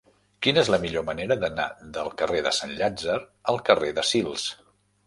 Quina és la millor manera d'anar del carrer de Sant Llàtzer al carrer de Sils?